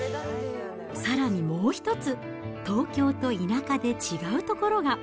さらにもう一つ、東京と田舎で違うところが。